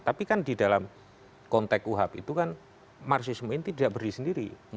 tapi kan di dalam konteks uhab itu kan marxisme ini tidak berdiri sendiri